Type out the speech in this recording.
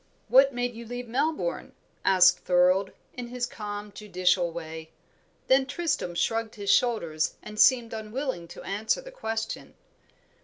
"What made you leave Melbourne!" asked Thorold, in his calm, judicial way. Then Tristram shrugged his shoulders and seemed unwilling to answer the question.